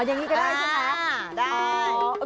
อ๋ออย่างนี้ก็ได้ใช่ไหมอ๋อได้